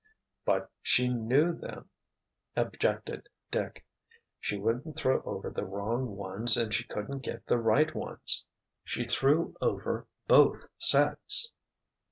"But she knew them," objected Dick. "She wouldn't throw over the wrong ones and she couldn't get the right ones." "She threw over both sets!"